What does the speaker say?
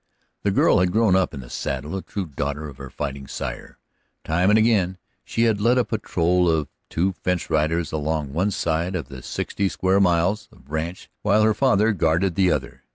This girl had grown up in the saddle, a true daughter of her fighting sire. Time and again she had led a patrol of two fence riders along one side of that sixty square miles of ranch while her father guarded the other.